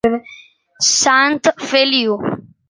Sant Feliu